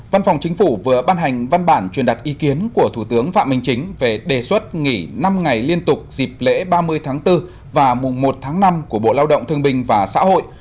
văn phòng chính phủ vừa ban hành văn bản truyền đặt ý kiến của thủ tướng phạm minh chính về đề xuất nghỉ năm ngày liên tục dịp lễ ba mươi tháng bốn và mùng một tháng năm của bộ lao động thương bình và xã hội